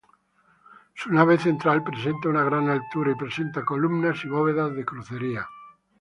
Su nave central presenta una gran altura, y presenta columnas y bóvedas de crucería.